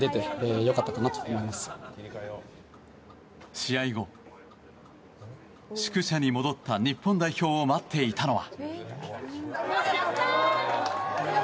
試合後、宿舎に戻った日本代表を待っていたのは。